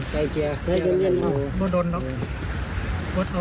ที่เที่ยวบอกให้ว่ามอบโต้เด้อมันมอบโต้